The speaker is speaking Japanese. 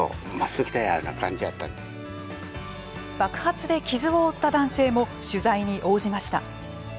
爆発で傷を負った男性も取材に応じました。